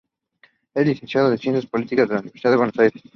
Es Licenciado en Ciencias Políticas en la Universidad de Buenos Aires.